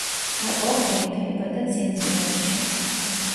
მაკლაფლინი დაიბადა ცინცინატიში.